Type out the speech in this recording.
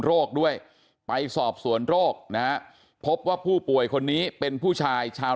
โรคด้วยไปสอบสวนโรคนะฮะพบว่าผู้ป่วยคนนี้เป็นผู้ชายชาว